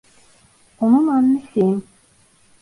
Onun annesiyim.